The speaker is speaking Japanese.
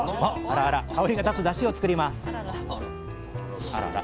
香りが立つダシを作ります